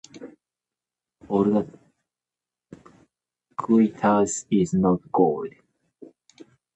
“All that glitters is not gold.”